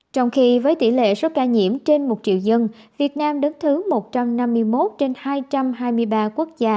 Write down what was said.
trong khi với tỷ lệ số ca nhiễm trên một triệu dân việt nam đứng thứ một trăm năm mươi một trên hai trăm hai mươi ba quốc gia